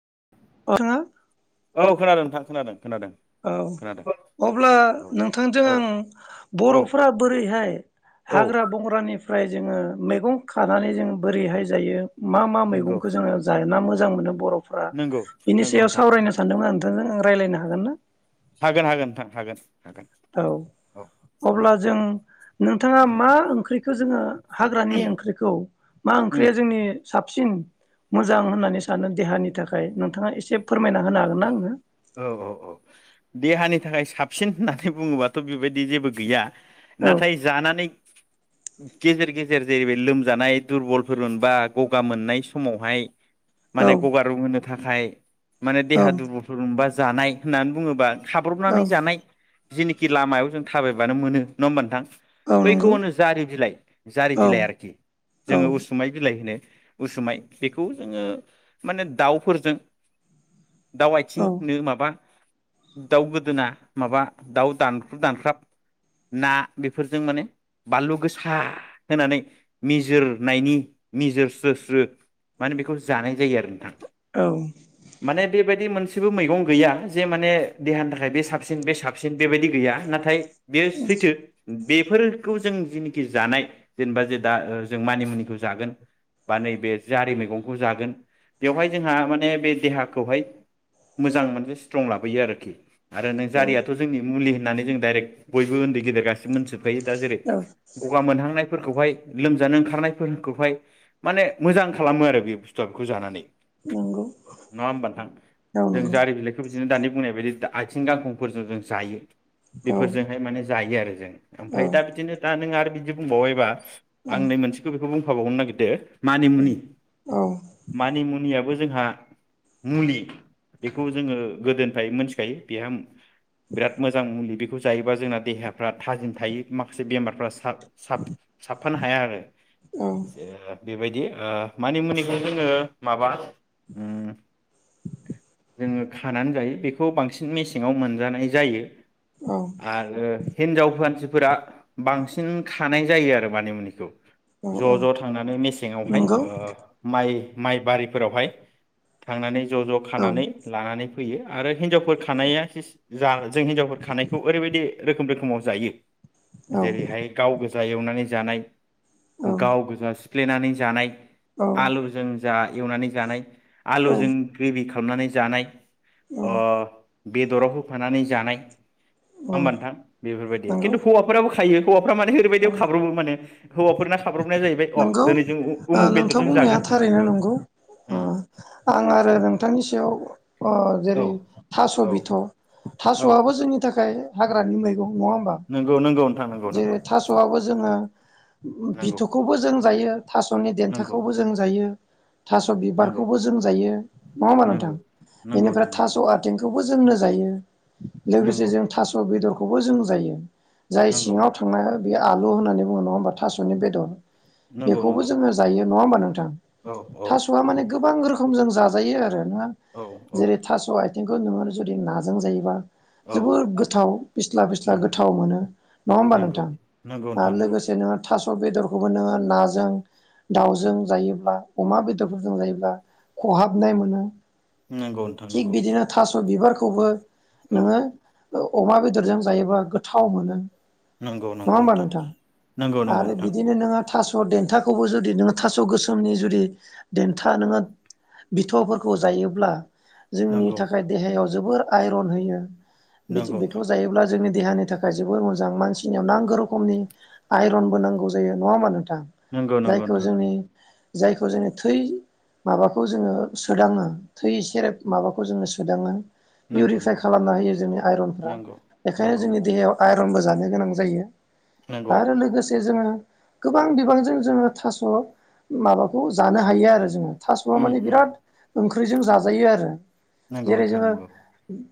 [unintelligible] औ खोनादों नोंथां खोनादों। खोनादों औ खोनादों अब्ला औ नोंथांजों औ आं औ बर'फोरा बोरैहाय औ हाग्रा बंग्रानि फ्राय जोङो मैगं खानानै जों बोरैहाय जायो? मा मा नंगौ मैगंखौ जोङो जायना मो जां मोनो बर' फोरा नंगौ बिनि नंगौ सायाव नोंथां सावरायनो सानदोंमोन आं जों रायलायनो हागोन ना? हागोन हागोन नोंथां हागोन। हागोन औ औ उम अब्ला जों नोंथाङा उम मा ओंख्रि खौ जोङो हाग्रानि ओंख्रिखौ मा उम ओंख्रिया जोंनि साबसिन मोजां होननानै सानो देहानि थाखाय नोंथाङा एसे फोरमायना होनो ओ हागोन ना आंनो औ औ औ देहानि - थाखाय साबसिन होननानै बुङोबाथ' बेबायदि जेबो गैया औ नाथाय जानानै गेजेर गेजेर जेरै बै लोमजानाय दुरबलफोर मोनबा गगा मोननाय समावहाय औ माने गगा रुंहोनो थाखाय माने औ देहा दुरबलफोर मोनबा जानाय होननानै बुङोबा औ खाब्र'बनानै जानाय जेनोखि लामायाव जों थाबायबानो मोनोङा होमबा नोंथां । औ बैखौ नंगौ होनो जारि बिलाइ औ जारि बिलाइ आरोखि जोङो उसुमाय बिलाइ होनो । उसुमाय बेखौ जोङो माने दाउफोरजों दाव औ आथिंनो माबा दाउ गोदोना माबा दाउ दानख्रुब दानख्राब ना बेफोरजों माने बानलु गोसा होनानै मिजोरनायनि मिजोरस्रो स्रो माने बेखौ जानाय जायो आरो नोंथां औ । बेबायदि मोनसेबो मैगं गैया जे माने देहानि थाखाय बे साबसिन बे साबसिन बेबायदि गैया नाथाय बे सैथो‌ । बेफोरखौ जों जिनिखि जानाय जेनेबा जे दा जों मानिमुनिखौ जागोन बा नैबे जारि मैगंखौ जागोन बेवहाय जोंहा माने बे देहा खौहाय मोजां मोनसे स्ट्रं लाबोयो आरोखि । आरो नों औ जारियाथ' जोंनि मुलि होननानै जों दाइरेक्ट बयबो उन्दै गेदेर गासि मोनथिजोबखायो दा जेरै गगा मोनहांनाय फोरखौहाय लोमजानो ओंखारनायफोरखौहाय माने मोजां खालामो आरो बे बुस्थुआ बेखौ जानानै । नंगौ । नङा होमबा नोंथां? जों जारि बिलाइखौ बि बिदिनो दानि बुंनाय बायदि आइथिं गांखं'फोरजों जों जायो । औ बेफोरजोंहाय माने जायो आरो जों । आमफाय दा नंगौ बिदिनो दा नों आरो बिदि बुंबावबायबा आं नै औ औ मोनसेखौ खौ बुंफाबावगनो नागिरदो मानिमुनि औ औ मानिमुनिया बो जोंहा मुलि बेखौ जोंङो गोदोनिफ्राय मोनथिखायो बेहा बिराद मोजां मुलि बे खौ जायोबा जोंना देहाफ्रा थाजिम थायो माखासे बेमारफ्रा साब साबफानो हाया आरो औ ज बेबायदि ओ मानि मुनिखौ जोंङो माबा उम जोंङो खानानै जायो बेखौ बांसिन मेसेंङाव मोनजानाय जायो औ औ आरो हिनजाव मानसिफोरा बांसिन बांसिन खानाय जायो आरो मानिमुनिखौ ज ज थांनानै मेसेंङावहाय नंगौ ओ माइ माइ बारिफोरावहाय थांनानै ज' ज' औ खानानै लानानै होयो आरो हिनजावफोर खानाया जा जों हिनजावफोर खानायखौ ओरैबायदि रोखोम रोखोमाव जायो औ जेरैहाय गावजा फुजा एवनानै जानाय गावगजासि सिफ्लेनानै जानाय आलुजों जा एवनानै जानाय आलुजों ग्रेबिखौ खालामनानै जानाय औ अ बेदराव होफानानै जानाय औ होनबथां बेफोरबायदि नंगौ खिन्थु हौवाफोराबो थायो माने औ ओरैबायदि ख्रबो मान हौवफोरना खाब्रबनाया जाहैबाय अ नंगौ दिनै जों उ- उमुख नोंथ बेदरजों बुंनाया जागोन होननाय थारैनो औ नंगौ उम, आं आरो नोंथांनि सायाव अ औ जेरै थास औ बिथ थास औ आबो जोंनि थाखाय हाग्रानि मैगं नङा होमबा नंगौ नंगौ नोंथां जेरै थास'आबो जोङो नोंगौ बिथ'खौबो जों जायो थास'नि देन्थाखौबो जों जायो [unintelligible] थास' नंगौ बिबारखौबो जों जायो नङा ओमबा नोंथां नंगौ नंगौ बेनिफ्राय नोंथां नंगौ थास' आथिंखौबो जोंनो जायो लोगोसे नंगौ जों थास' बेदर खौबो जों जायो जाय नंगौ सिङाव थांनाय बे आ [unintelligible] नंगौ बेखौबो नंगौ जोङो जायो नङा होमबा नोंथां औ औ थास'आ माने गोबां रोखोम जों जाजायो आरो औ औ [unintelligible] खौ नोङो जुदि नाजों जायोबा औ जोबोर गोथाव फिस्ला फिस्ला नंगौ गोथाव मोनो नङा होमबा नंगौ नोंथां नंगौ नोंथां आरो नंगौ लोगोसे नोंङो थास' [unintelligible] खौबो नोङो नाजों दाउजों जायोब्ला अमा बेदरफोरजों जायोब्ला खहाबनाय मोनो नंगौ नोंथां नंगौ स' बिबारखौबो औ नोङो अमा बेदरजों जायोबा गोथाव मोनो नंगौ नङा नंगौ होमबा नोंथां नंगौ नंगौ आरो नोंथां बिदिनो नोङो थास' देन्थाखौबो जुदि नोङो थास' गोसोमनि जुदि देन्था नोङो बिथ'फोरखौ जायोब्ला जोंनि थाखाय देहायाव जोबोर आइरन होयो बेखौ जायोब्ला जोंनि देहानि थाखाय जोबोर मोजां मानसिनि नांगौ रोखोमनि आइरनबो नांगौ जायो नङा होम्बा नों नंगौ नंगौ जायखौ नोंथां जोंनि जायखौ जोङो थै माबाखौ जोङो सोदाङो थै एसे माबाखौ जोङो सोदाङो नंगौ नंगौ नोंथां नंगौ इउरिफाइ खालामना होयो जोंनि आइरनफ्रा नंगौ बेखायनो नंगौ नंगौ जोंनि देहायाव आ रनबो जानो गोनां जायो नंगौ आरो लोगोसे जोङो गोबां बिबांजों जोङो थास' माबाखौ जानो हायो आरो जोङो थास'आ उम माने उम बिरात ओं ख्रिजों जाजायो आरो नंगौ जेरै नोंथां जोङो नंगौ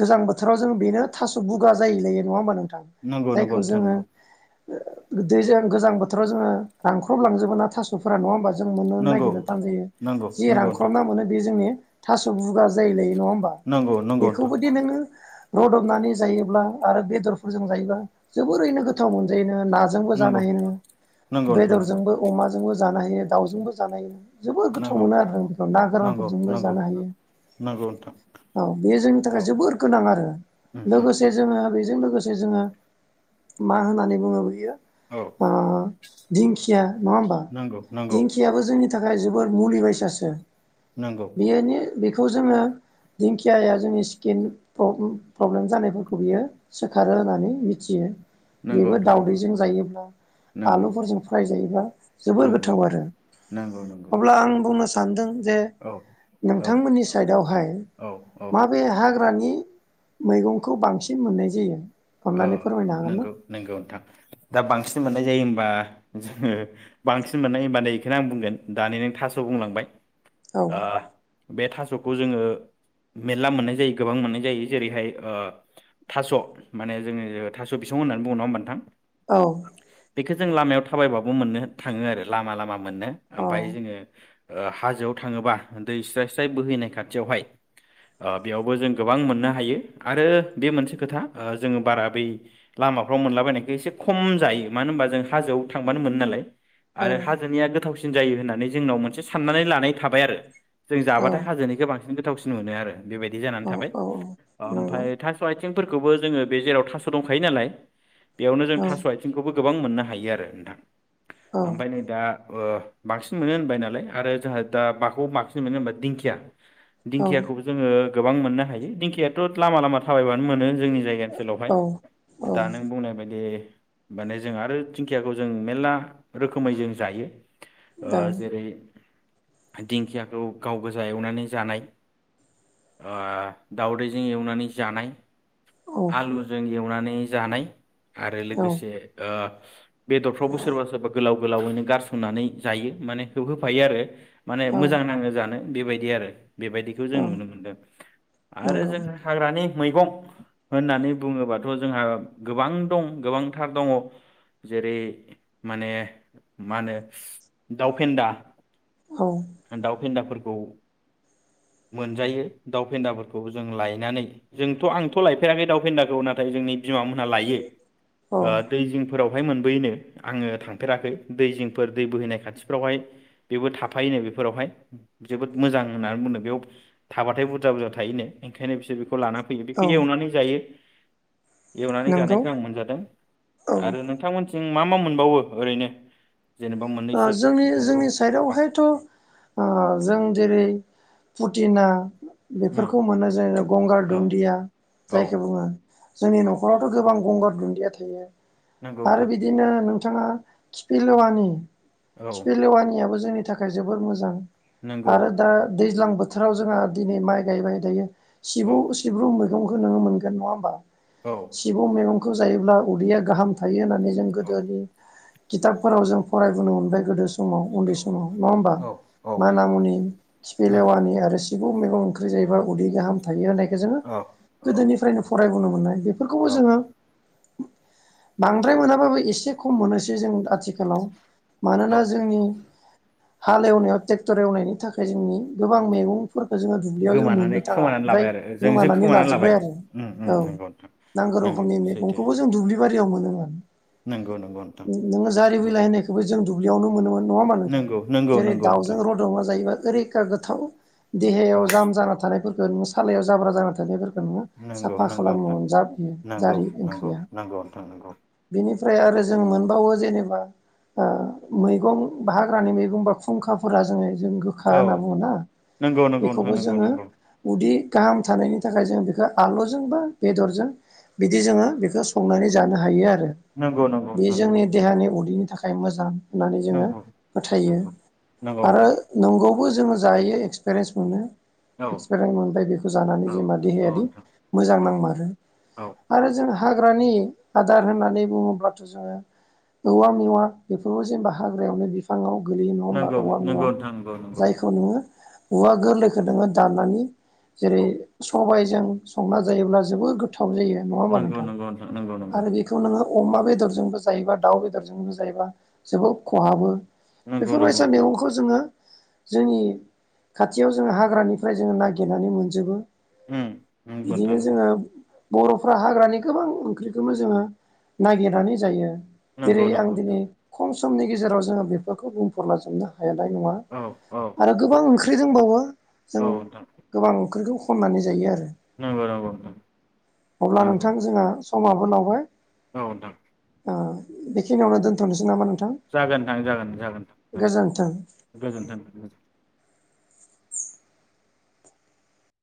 गोजां बोथोराव जों बेनो थास' बुगा जायोलायो नङा होमबा नों नंगौ नंगौ जायखौ नोंथां जोङो गोगदैजों गोजां बोथ बोथोर जोङो रानख्रबजोबलाङो थास'फोरा नङा होनबा जों मोननो नंगौ नागिरनो थान जायो नंगौ जि रानख्रमना नंगौ मोनो बे जोंनि थास' बुगा जायोलायो नङा होनबा नंगौ नोंथां बेखौबोदि नोङो रदबनानै जायोब्ला आरो बेदरफोरजों जायोब्ला जोबोरैनो गोथाव मोनजायो। नाजोंबो जानो नंगौ हायो नोंङो। नंगौ नोंथां बेदरजोंबो अमाजोंबो जानो हयो दाउजोंबो जानो हायो। जोबोर गोथाव नंगौ मोनो आरो बेखौ ना नंगौ नोंथां नंगौ नंगौ गोरानफोरजोंबो जानो हायो नंगौ नोंथां औ बेयो जोंनि औ थाखाय जोबोर गोनां आरो उम उम लोगोसे उम जोङो बेजों लोगोसे जे जोंहा मा होननानै बुङो बियो औ ओ दिंखिया नङा होमबा नंगौ नंगौ दिंखियाबो जोंनि जोबोद मुलि बायसासो नंगौ [unintelligible] खौ जोङो दिंखियाया जोंनि स्किन प्रब्लेम प्रब्लेम जानायफोरखौ बियो सोखारो होननानै मिथियो। नंगौ बेबो नोंथां नंगौ दावदैजों जायोब्ला नंगौ आलुफोरजों फ्राय जायोबा जोबोर नंगौ गोथाव आरो नंगौ नंगौ अब्ला आं बुं सान्दों जे औ औ नोंथांमोननि साइडआवहाय औ औ माबे हाग्रानि मैगंखौ बांसिन मोननाय जायो। अ अननानै फोरमायनो हागोन ना नंगौ नंगौ नोंथां दा बांसिन मोननाय जायो होम बा जोङो बांसिन मोननाय होमबा नै बेखौनो आं बुंगोन दानि नों थास' बुंलांबाय आ बे थास'खौ जोङो मेरला मोननाय जायो गोबां मोननाय जायो जेरैहाय ओ थास' माने जोंङो थास' बिसं होननानै बुंङो नङा होनबा नोंथां? औ। बेखो जों लामायाव थाबायबाबो मोननो थाङो आरो लामा लामा मोननो औ ओमफाय जोङो ओ हाजोआव थाङोबा दै स्राय स्राय बोहैनाय खाथियावहाय ओ बेयावबो जों गोबां मोननो हायो। आरो बे मोनसे खोथा ओ जोङो बारा बै लामाफ्राव मोनलाबायनायखौ एसे खम जायो। मानो होनबा जों हाजोआव थांबानो मोनो नालाय। आरो हाजोनिया गोथावसिन सिन जायो होननानै जोंनाव मोनसे साननानै लानाय थाबाय आरो। जों औ जाबाथाय हाजोनिखो बांसिन गोथावसिन मोनो आरो। बेबायदि जानानै औ थाबाय। औ नंगौ ओमफाय थास'आइथिं थिंफोर खौबो जोङो बे जेराव थास' दंखायो नालाय बेयावनो जों थास' औ आथिंखौबो गोबां मोननो हायो आरो नोंथां। ओमफाय औ नै दा ओ बांसिन मोनो होनबाय नालाय आरो जोंहा दा माखौ बांसिन मोनो होनबा दिंखिया औ दिंखियाखौबो जोङो गोबां मोननो हायो। दिंखियाथ' लामा लामा थाबायबानो मोनो। जोंनि जायगा औ ओनसोलावहाय। दा नों बुंनाय बायदि माने जों आरो दिंखियाखौ जों मेरला रोखोमै जों जायो। ओ जेरै दिंखियाखौ गाव गोजा एवनानै जानाय ओ दावदैजों एवनानै जानाय औ आलुजों एवनानै नै जानाय आरो लोगोसे ओ बेदरफ्रावबो सोरबा सोरबा गोलाव गोलावैनो गारसननानै जायो माने होफायो आरो। माने औ मोजां नाङो जानो। बेबायदि आरो। बेबायदिखौ जों औ नुनो मोनदों। आरो नंगौ जों हाग्रानि मैगं होननानै बुङोबाथ' जोंहा गोबां दं गोबांथार दङ'। जेरै माने मा होनो दावफेन्दा औ ओ दाउ फेन्दाफोर औ मोनजायो दाउ फेन्दाफोरखौ जों लायनानै जोंथ' आं थ' लायफेराखै दाउफेन्दाखौ नाथाय जोंनि बिमा मोनहा लायो ओ दै जिंफोराव बहाय मोनबोयोनो आङो थांफेराखै दै जिंफोर दै बोहैनाय खाथिफ्रावहाय बेबो थाफायोनो बेफोरावहाय जोबोद मोजां होननानै बुङो बेयाव थाबाथाय बुरजा बुरजा थायोनो ओंखायनो बिसोर बेखौ लाना फैयो। औ ए एवनानै जायो। एवनानै नंगौ जानायखौ आं मोनजादों औ आरो नोंथांमोन जों मा मा मोनबावो ओरैनो जेनेबा ओ‌ मोननैसो जोंनि मैगं जोंनि बां साइदावहायथ' ओ जों जेरै फुटिना उम बेफोरखौ मोनो जेन गंगार औ दुन्दिया औ जायखौ बुङो जोंनि औ न'खरावथ' गोबां गंगार दुन इया थायो। नंगौ आरो नोंथां बिदिनो नों थाङा खिफि लेवानि औ खिफि लेवानियाबो जोंनि थाखाय जोबोर मोजां। नंगौ आरो दा दैज्लां बोथ थोराव जोंहा दिनै माइ गायबाय दायो। औ सिबु सिब्रु मोन गंखौ नोङो मोनगोन नङा होमबा? औ सिबुं मेगं खौ जायोब्ला उदैया गाहाम थायो होनना माने जों औ गोदोनि खिथाबफोराव जों फरायबोनो मोनबाय गोदो स समाव उन्दै समाव नङा होमबा औ औ माना मुनि उम खिफलेवानि आरो सिबुं मेगं ओंख्रि जायोबा उदै गाहाम थायो होनाय जोङो औ औ गोदोनिफ्रायनो फरायबोनो मोननाय बेफोरखौबो औ जोङो बांद्राय मोनाबाबो एसे खम मोनोसै जों आथिखालाव। औ मानोना जोंनि हाल एवनायाव ट्रेक्टर एवनायनि थाखाय जोंनि गोबां मेगं फोरखौ जोङो दुब्लियाव जों गोमानानै मोननो थाङा। खोमानानै जाय लाबाय आरो जों जों गोमानानै खोमानानै लाबाय लाजोबबाय आरो उम उम औ नंगौ नोंथां नांगौ नंगौ रोखोमनि सैथो मैगंखौबो जों दुब्लि बारियाव मोनोमोन नंगौ नंगौ नोंथां नोङो जारि बिलाय नंगौ होनायखौ दुब्लियावनो मोनोमोन नङा होमबा नोंथां नंगौ नंगौ जेरै नंगौ दाउजों नोंथां रद'मा जायोबा रैखा गोथाव औ देहायाव जाम जाना थानायफोरखौ गोर सालायाव जाब्रा जाना थानाय फोरखौ नंगौ साफा नंगौ खालामो नोंथां जारियो नंगौ जारि नंगौ ओंख्रिया नंगौ नोंथां नंगौ बेनिफ्राय आरो नंगौ जों मोनबावो जेनेबा ओ मैगं बा हाग्रानि मैगं बा खुंखाफोरा जोंनि जों गोखा औ होनना बुङा नंगौ नंगौ नोंथां बेखौबो नंगौ जोङो नंगौ उदि गाहाम थानायनि थाखाय जों बेखौ आलुजों बा बेदरजों बिदि जोङो बेखौ संनानै जानो हायो आरो नंगौ नंगौ बे नोंथां नंगौ जोंनि देहानि उदैनि थाखाय मोजां होननानै जोङो नंगौ फोथायो नंगौ नंगौ आरो नोंथां नंगौ। बो जोङो जायो एक्सपिरियेन्स मोनो औ एक्सपेरेत मोनबाय बेखौ जानानै औ जोंना औ देहायारि नोंथां मोजां औ नांमारो औ आरो जों हाग्रानि आदार होननानै बुङोब्लाथ' जोङो औवा मेवा बेफोरखौ जेनबा हाग्रायावनो बिफाङाव गोलैयो नङा होनबा नंगौ औवा मेवा नंगौ नोंथां नंगौ नंगौ जायखौ नोङो औवा गोरलैखौ नोङो दाननानै जेरै औ सबाय जों संना जायोब्ला जोबोद गो थाव जायो नङा होमबा नंगौ नोंथां नंगौ नंगौ नंगौ आरो बेखौ नोङो अमा बेदरजोंबो जायोबा दाउ बेदरजोंबो जायोबा जोबोद खहाबो नंगौ बेफोर नंगौ बायसा नोंथां मैगंखौ जोङो जोंनि खाथियाव जोङो हाग्रानिफ्राय जोङो नागिरनानै मोनजोबो उम नंगौ नोंथां बिदिनो नंगौ जोङो बर'फ्रा हाग्रानि गोबां ओंख्रिखौनो जोङो नागिरनानै जायो। नंगौ जेरै आं नंगौ नोंथां दिनै खम समनि गेजेराव जोङो बेफोरखौ बुंफोरलाजोबनो हानाय नङा औ औ आरो गोबां ओं ओंख्रिदोंबावो जों औ नोंथां गोबां ओंख्रिखौ खननानै जायो आरो नंगौ नंगौ नोंथां अब्ला नंगौ नोंथां जोंहा समाबो लावबाय औ नोंथां ओ बेखिनियावनो दोनथ'नोसै नामा नो जागोन नोंथां जागोन जागोन औ गोजोन्थों। गोजोनथों गोजो